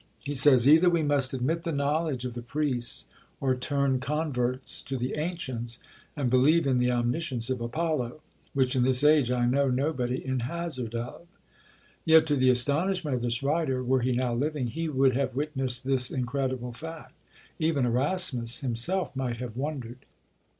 He says, "Either we must admit the knowledge of the priests, or turn converts to the ancients, and believe in the omniscience of Apollo, which in this age I know nobody in hazard of." Yet, to the astonishment of this writer, were he now living, he would have witnessed this incredible fact! Even Erasmus himself might have wondered.